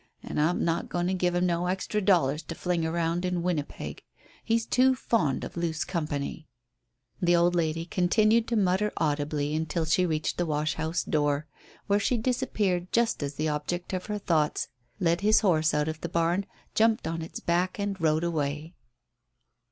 And I'm not goin' to give him no extra dollars to fling around in Winnipeg. He's too fond of loose company." The old lady continued to mutter audibly until she reached the wash house door, where she disappeared just as the object of her thoughts led his horse out of the barn, jumped on its back, and rode away.